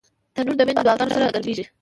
تنور د میندو دعاګانو سره ګرمېږي